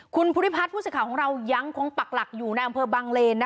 คุณภุติภัทธ์ผู้สิมารของเรายังคงปักหลักอยู่ในอำเตอร์บังเรนนะคะ